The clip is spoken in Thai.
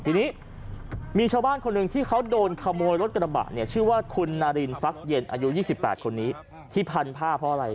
ทีนี้มีชาวบ้านคนหนึ่งที่เขาโดนขโมยรถกระบะเนี่ยชื่อว่าคุณนารินฟักเย็นอายุ๒๘คนนี้ที่พันผ้าเพราะอะไร